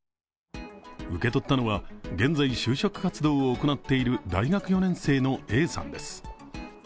受け取ったのは現在就職活動を行っている大学４年生のＡさんです。